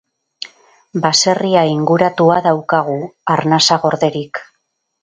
Baserria inguratua daukagu, arnasa gorderik.